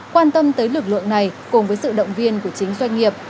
quan tâm tới lực lượng này cùng với sự động viên của chính doanh nghiệp